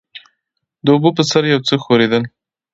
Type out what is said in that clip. د اوبو پر سر يو څه ښورېدل.